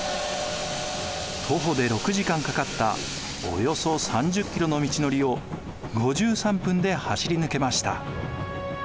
徒歩で６時間かかったおよそ３０ｋｍの道のりを５３分で走り抜けました。